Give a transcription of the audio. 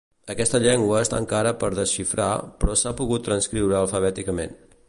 Aquesta llengua està encara per desxifrar, però s'ha pogut transcriure alfabèticament.